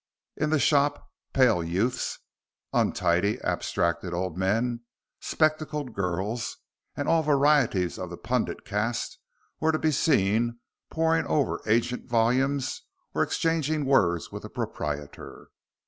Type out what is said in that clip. In the shop, pale youths, untidy, abstracted old men, spectacled girls, and all varieties of the pundit caste were to be seen poring over ancient volumes or exchanging words with the proprietor.